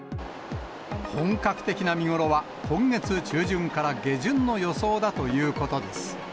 本格的な見頃は、今月中旬から下旬の予想だということです。